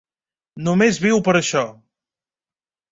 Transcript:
Només viu per a això.